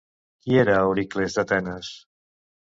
Qui era Euricles d'Atenes?